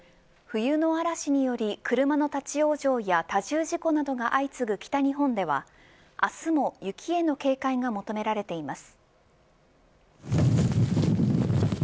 冬の嵐により車の立ち往生や多重事故などが相次ぐ北日本では明日も雪への警戒が求められています。